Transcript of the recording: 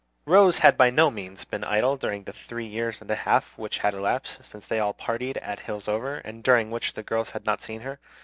Rose had by no means been idle during the three years and a half which had elapsed since they all parted at Hillsover, and during which the girls had not seen her.